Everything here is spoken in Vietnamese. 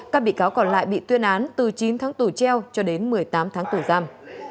các bị cáo còn lại bị tuyên án từ chín tháng tù treo cho đến một mươi tám tháng tù giam